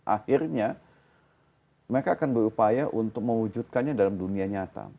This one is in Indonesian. akhirnya mereka akan berupaya untuk mewujudkannya dalam dunia nyata